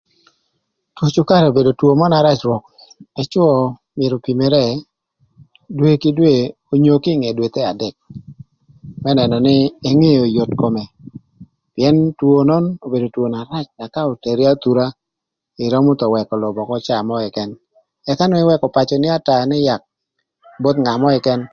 Two cükarï obedo two mörö na rac rwök ëcwö myero opimere dwe kï dwe onyo kinge dwethe adek më nënö nï engeo yot kome pïën two nön obedo two na rac na ka oteri athüra ïrömö thon wëkö lobo ökö caa mörö këkën ëka nwongo ïwëkö pacöni ökö ata nï yak both ngat mörö këkën.